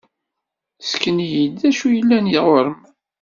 Ssken-iyi-d d acu yellan ɣer-m!